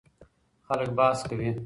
خلک بحث کوي.